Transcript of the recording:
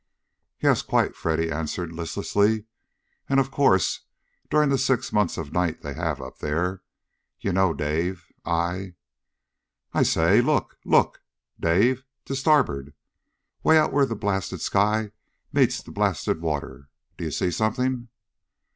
"Yes, quite," Freddy answered listlessly. "And, of course, during the six months of night they have up there. You know, Dave, I I say! Look! Look, Dave! To starboard. Way out where the blasted sky meets the blasted water! Do you see something?"